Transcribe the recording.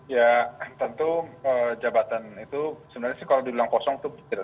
ya tentu jabatan itu sebenarnya sih kalau dibilang kosong itu kecil